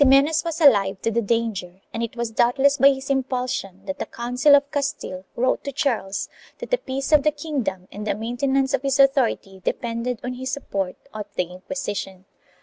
2 Ximenes was alive to the danger and it was doubtless by his impulsion that the Council of Castile wrote to Charles that the peace of the kingdom and the maintenance of his authority depended on his support of the Inquisition.